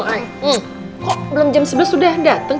kok belum jam sebelas sudah datang